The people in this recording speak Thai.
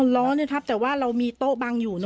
อ๋อร้อนี่ครับแต่ว่าเรามีโต๊ะบังอยู่เนอะ